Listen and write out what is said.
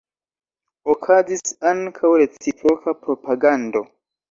Okazis ankaŭ reciproka propagando.